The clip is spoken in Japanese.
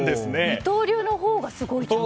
二刀流のほうがすごい！